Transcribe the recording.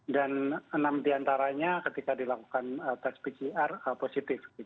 dan enam diantaranya ketika dilakukan tes pcr positif